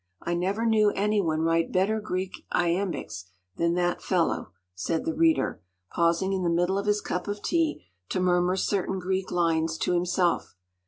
I never knew any one write better Greek iambics than that fellow,” said the Reader, pausing in the middle of his cup of tea to murmur certain Greek lines to himself.